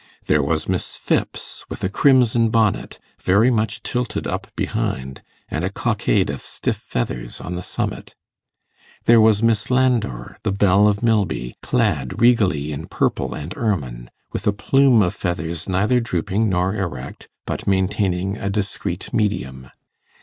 There was Miss Phipps, with a crimson bonnet, very much tilted up behind, and a cockade of stiff feathers on the summit. There was Miss Landor, the belle of Milby, clad regally in purple and ermine, with a plume of feathers neither drooping nor erect, but maintaining a discreet medium.